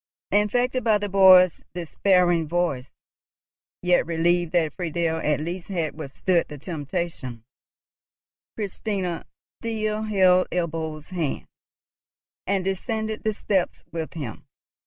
Infected by the boy's despairing voice, yet relieved that Friedel at least had withstood the temptation, Christina still held Ebbo's hand, and descended the steps with him.